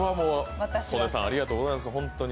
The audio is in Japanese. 曽根さん、ありがとうございいます、本当に。